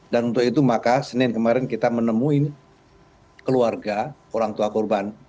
dan untuk itu maka senin kemarin kita menemui keluarga orang tua korban